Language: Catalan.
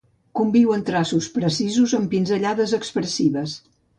Conviuen traços precisos amb pinzellades expressives.